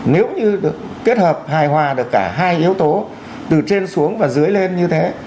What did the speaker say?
nếu như được kết hợp hài hòa được cả hai yếu tố từ trên xuống và dưới lên như thế